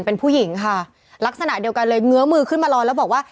เป็นผู้หญิงค่ะลักษณะเดียวกันเลยเงื้อมือขึ้นมารอแล้วบอกว่า